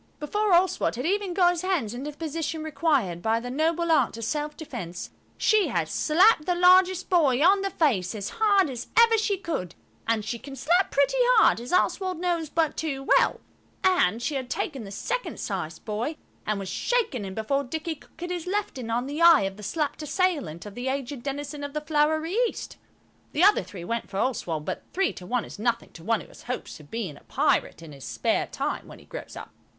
Before Oswald had even got his hands into the position required by the noble art of self defence, she had slapped the largest boy on the face as hard as ever she could–and she can slap pretty hard, as Oswald knows but too well–and she had taken the second sized boy and was shaking him before Dicky could get his left in on the eye of the slapped assailant of the aged denizen of the Flowery East. The other three went for Oswald, but three to one is nothing to one who has hopes of being a pirate in his spare time when he grows up.